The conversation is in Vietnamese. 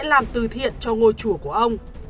làm từ thiện cho ngôi chùa của ông